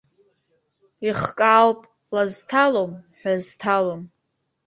Ихкаауп, ла зҭалом, ҳәа зҭалом.